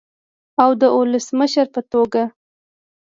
او د ولسمشر په توګه